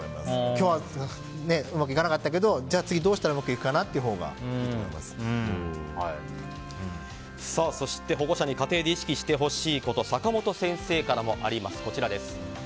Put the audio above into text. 今日はうまくいかなかったけど次どうしたらうまくいくかなっていうほうが保護者に家庭で意識してほしいこと坂本先生からもあります。